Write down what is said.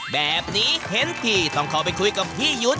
แบบนี้เห็นทีต้องเข้าไปคุยกับพี่ยุทธ์